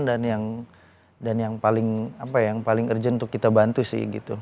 dan yang paling apa ya yang paling urgent untuk kita bantu sih gitu